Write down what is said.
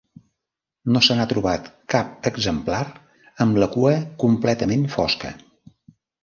No se n'ha trobat cap exemplar amb la cua completament fosca.